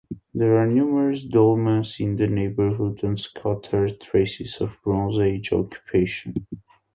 There are numerous dolmens in the neighborhood and scattered traces of Bronze Age occupation.